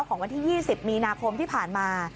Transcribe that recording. ของวันที่๒๐มีนาคมที่ผ่านมา